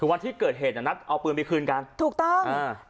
วันที่เกิดเหตุน่ะนัดเอาปืนไปคืนกันถูกต้องอ่า